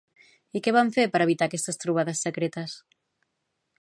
I què van fer per evitar aquestes trobades secretes?